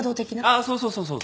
あっそうそうそうそう。